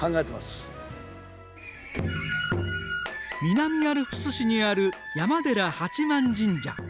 南アルプス市にある山寺八幡神社。